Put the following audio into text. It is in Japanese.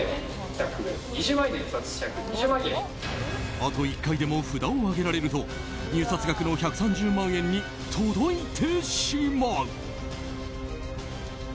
あと１回でも札を上げられると入札額の１３０万円に届いてしまう。